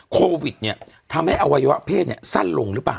โควิดเนี่ยทำให้อวัยวะเพศสั้นลงหรือเปล่า